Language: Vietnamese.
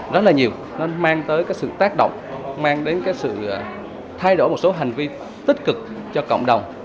rất là nhiều nó mang tới cái sự tác động mang đến cái sự thay đổi một số hành vi tích cực cho cộng đồng